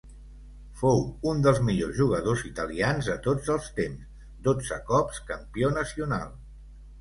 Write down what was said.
Fou un dels millors jugadors italians de tots els temps, dotze cops campió nacional.